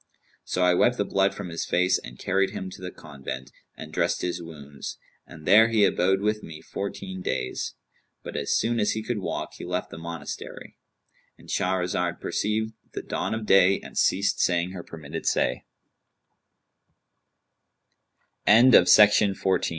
So I wiped the blood from his face and carried him to the convent, and dressed his wounds; and there he abode with me fourteen days. But as soon as he could walk, he left the monastery"—And Shahrazad perceived the dawn of day and ceased saying her